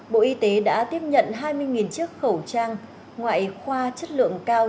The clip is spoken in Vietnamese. bộ y tế đã tiếp nhận hai mươi chiếc khẩu trang ngoại khoa chất lượng cao